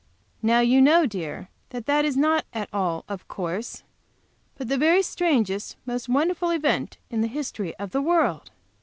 "Now you know, dear, that it is not at all of course, but the very strangest, most wonderful event in the history of the world."